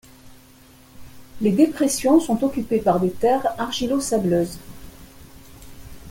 Les dépressions sont occupées par des terres argilo-sableuses.